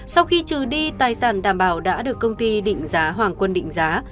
sau khi trừ đi tài sản đảm bảo đã được công ty định giá hoàng quân định giá